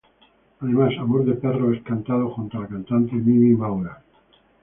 Además, "Amor de perros" es cantado junto a la cantante Mimi Maura.